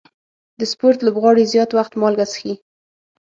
د سپورټ لوبغاړي زیات وخت مالګه څښي.